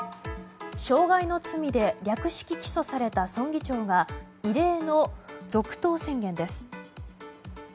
傷害の罪で略式起訴された村議長が異例の続投宣言です。